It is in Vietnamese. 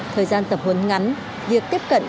thời gian tập huấn ngắn việc tiếp cận